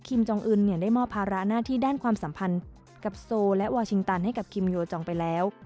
จองอึนได้มอบภาระหน้าที่ด้านความสัมพันธ์กับโซและวาชิงตันให้กับคิมโยจองไปแล้ว